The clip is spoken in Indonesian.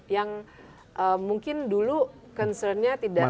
yang mungkin dulu concernnya tidak